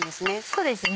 そうですね